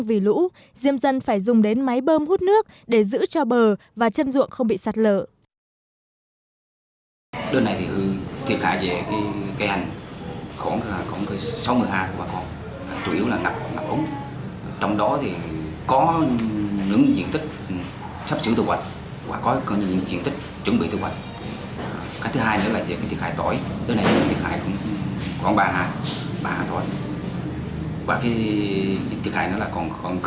vì lũ diêm dân phải dùng đến máy bơm hút nước để giữ cho bờ và chân ruộng không bị sạt lở